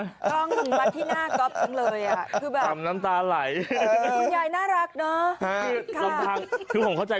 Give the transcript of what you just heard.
คือแบบขำน้ำตาไหลคุณยายน่ารักเนอะค่ะค่ะคือผมเข้าใจ